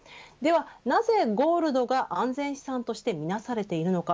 なぜゴールドが安全資産としてみなされているのか